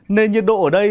nền nhiệt độ ở đây